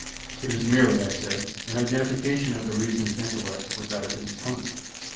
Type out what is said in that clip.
"It is merely," I said, "an identification of the reasoner's intellect with that of his opponent."